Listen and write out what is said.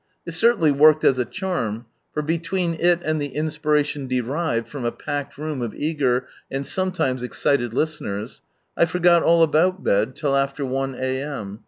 It certainly worked as a charm, for between it and the inspiration derived from a packed room of eager and sometimes excited listeners, 1 forgot all about bed till after i a.m.